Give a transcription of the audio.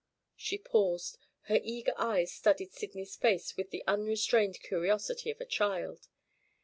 _" She paused; her eager eyes studied Sydney's face with the unrestrained curiosity of a child.